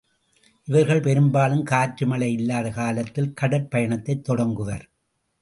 இவர்கள் பெரும்பாலும் காற்று, மழை இல்லாத காலத்தில் கடற் பயணத்தைத் தொடங்குவர்.